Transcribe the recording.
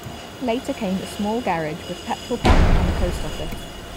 Later came a small garage with petrol pump, and a post office.